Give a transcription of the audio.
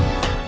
ini kecil nih